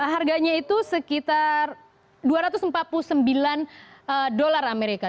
harganya itu sekitar dua ratus empat puluh sembilan dolar amerika